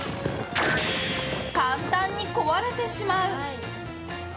簡単に壊れてしまう！